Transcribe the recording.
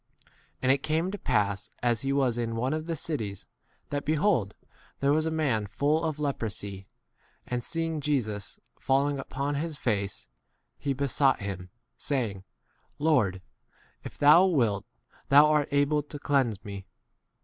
12 And it came to pass as he was in one of the cities, thatP behold, there was a man full of leprosy, and seeing Jesus, falling upon his face, he besought him, saying, Lord, if thou wilt thou art able to 13 cleanse me.